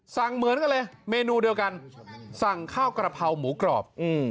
สั่งเหมือนกันเลยเมนูเดียวกันสั่งข้าวกระเพราหมูกรอบ